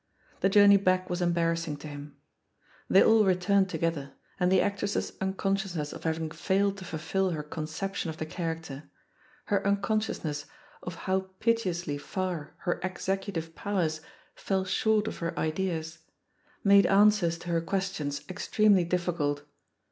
The journey back was embarrassing to 76 THE POSITION OF PEGGY HARPER 77 They all returned together; and the actress's un consciousness of having failed to fulfil her con ception of the character, her unconsciousness of how piteously far her executive powers fell short of her ideas, made answers to her questions ex tremely difficult.